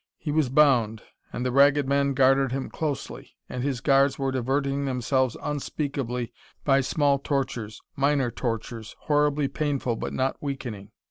He was bound, and the Ragged Men guarded him closely, and his guards were diverting themselves unspeakably by small tortures, minor tortures, horribly painful but not weakening.